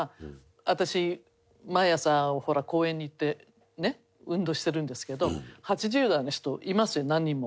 私毎朝公園に行ってね運動してるんですけど８０代の人いますよ何人も。